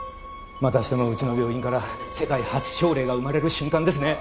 またしてもうちの病院から世界初症例が生まれる瞬間ですね。